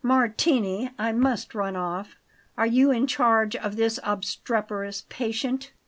Martini, I must run off. Are you in charge of this obstreperous patient?"